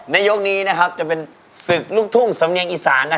ในยกนี้นะครับจะเป็นศึกลูกทุ่งสำเนียงอีสานนะครับ